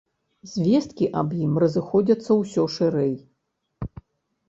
Звесткі аб ім разыходзяцца ўсё шырэй.